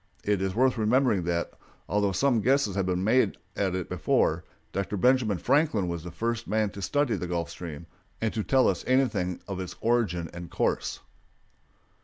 It is worth remembering that, although some guesses had been made at it before, Dr. Benjamin Franklin was the first man to study the Gulf Stream and to tell us anything of its origin and course.